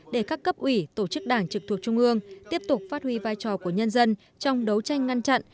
để các cấp ủy tổ chức đảng trực thuộc trung ương tiếp tục phát huy vai trò của nhân dân trong đấu tranh ngăn chặn